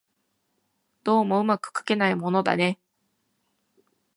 どうも巧くかけないものだね